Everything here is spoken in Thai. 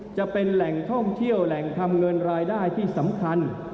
จะเป็นแหล่งท่องเที่ยวแหล่งทำเงินรายได้ที่สำคัญ